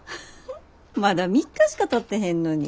まだ３日しかたってへんのに。